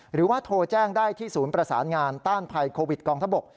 หรือว่าโทรแจ้งได้ที่ศูนย์ประสานงานต้านภัยโควิดกองทบก